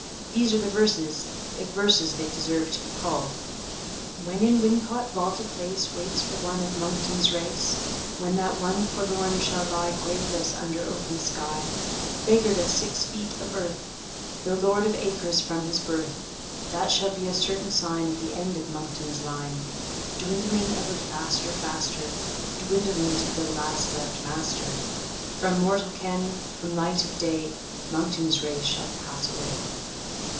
These are the verses, if verses they deserve to be called: When in Wincot vault a place Waits for one of Monkton's race When that one forlorn shall lie Graveless under open sky, Beggared of six feet of earth, Though lord of acres from his birth That shall be a certain sign Of the end of Monkton's line. Dwindling ever faster, faster, Dwindling to the last left master; From mortal ken, from light of day, Monkton's race shall pass away."